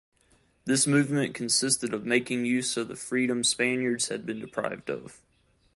This movement consisted of making use of the freedom Spaniards had been deprived of.